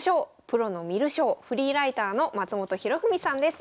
プロの観る将フリーライターの松本博文さんです。